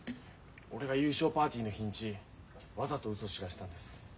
俺が優勝パーティーの日にちわざとうそ知らせたんです。